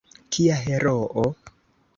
Kia heroo!